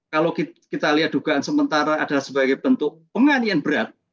kalau kita lihat dugaan sementara adalah sebagai bentuk penganian berat